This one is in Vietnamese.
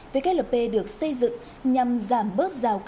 wlp được xây dựng nhằm giảm bớt giao dịch